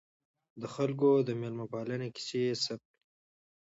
د خلکو د میلمه پالنې کیسې یې ثبت کړې.